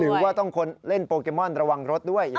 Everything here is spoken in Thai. หรือว่าต้องคนเล่นโปเกมอนระวังรถด้วย